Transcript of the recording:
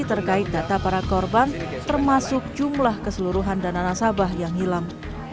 terkait data para korban termasuk jumlah keseluruhan dana nasabah yang hilang